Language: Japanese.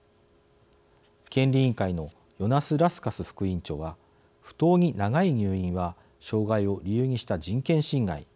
権利委員会のヨナス・ラスカス副委員長は「不当に長い入院は障害を理由にした人権侵害。